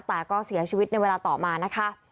แต่ก็เสียชีวิตในเวลาต่อมานะคะ